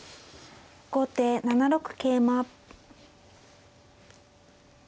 後手７六桂馬。